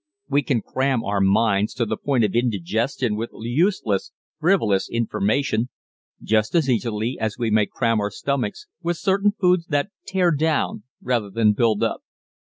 We can cram our minds to the point of indigestion with useless, frivolous information just as easily as we may cram our stomachs with certain foods that tear down rather than build up.